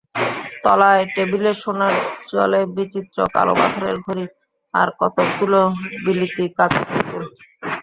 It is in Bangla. তলায় টেবিলে সোনার জলে চিত্রিত কালো পাথরের ঘড়ি, আর কতকগুলো বিলিতি কাঁচের পুতুল।